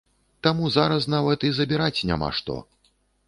Таму зараз нават і забіраць няма што.